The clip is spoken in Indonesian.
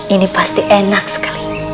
ini pasti enak sekali